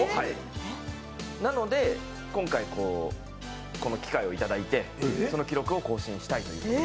なので、今回この機会をいただいてその記録を更新したいと。